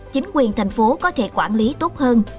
chính quyền thành phố có thể quản lý tốt hơn